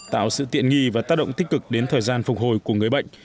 tạo sự tiện nghi và tác động tích cực đến thời gian phục hồi của người bệnh